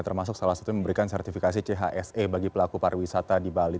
termasuk salah satunya memberikan sertifikasi chse bagi pelaku pariwisata di bali